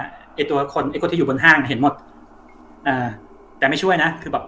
ไอ้ตัวคนไอ้คนที่อยู่บนห้างเห็นหมดอ่าแต่ไม่ช่วยนะคือแบบ